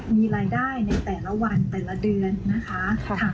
มีรายได้ในแต่ละวันแต่ละเดือนนะคะ